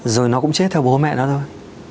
rồi nó cũng chết theo bố mẹ nó thôi